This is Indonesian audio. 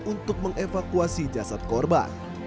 untuk mengevakuasi jasad korban